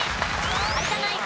有田ナイン